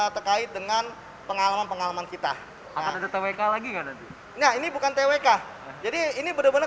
terkait dengan pengalaman pengalaman kita akan ada twk lagi ini bukan twk jadi ini bener bener